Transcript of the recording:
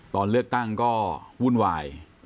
ตอนเลือกตั้งก็วุ่นวาย